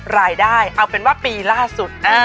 รายได้ครับเออปริศนาสุด